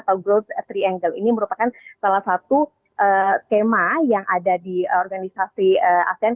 atau growth triangle ini merupakan salah satu tema yang ada di organisasi asean